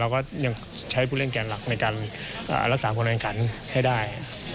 เราก็ยังใช้ผู้เล่นแกร่หลักในการรักษาผลแห่งคันให้ได้